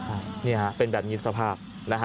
ใช่เป็นแบบนี้สภาพ